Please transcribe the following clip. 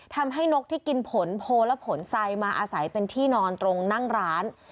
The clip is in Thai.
นกที่กินผลโพลและผลไซมาอาศัยเป็นที่นอนตรงนั่งร้าน